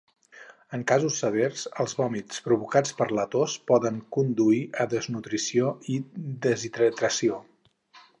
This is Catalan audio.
En casos severs, els vòmits provocats per la tos poden conduir a desnutrició i deshidratació.